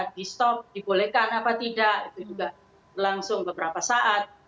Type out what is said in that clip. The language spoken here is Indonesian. di stop dibolehkan apa tidak itu juga langsung beberapa saat